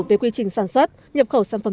về quy trình sản xuất nhập khẩu sản phẩm